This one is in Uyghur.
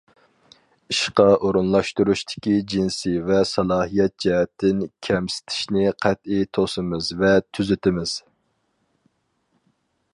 ئىشقا ئورۇنلاشتۇرۇشتىكى جىنسىي ۋە سالاھىيەت جەھەتتىن كەمسىتىشنى قەتئىي توسىمىز ۋە تۈزىتىمىز.